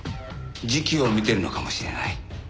時期を見てるのかもしれない。